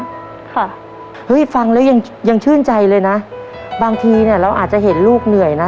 ค่ะเฮ้ยฟังแล้วยังยังชื่นใจเลยนะบางทีเนี้ยเราอาจจะเห็นลูกเหนื่อยนะ